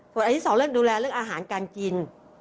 ส่วนอันที่สองเรื่องดูแลเรื่องอาหารการกิน